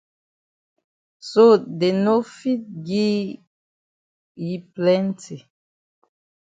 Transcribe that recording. So dey no fit even gi yi plenti.